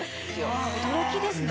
驚きですね。